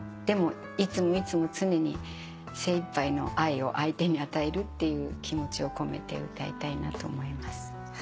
でもいつもいつも常に精いっぱいの愛を相手に与えるっていう気持ちを込めて歌いたいなと思います。